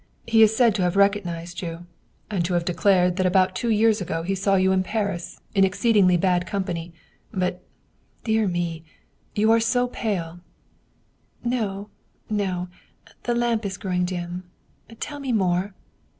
He is said to have recognized you and to have declared that 95 German Mystery Stories about two years ago he saw you in Paris in exceedingly bad company but, dear me you are so pale "" No, no, the tamp is growing dim ; tell me more